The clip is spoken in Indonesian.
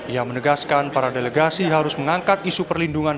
ia menegaskan para delegasi harus mengangkat isu perlindungan